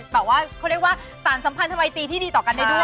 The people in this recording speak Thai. เขาเรียกว่าต่างสัมพันธ์ธรรมไอตีที่ดีต่อกันได้ด้วย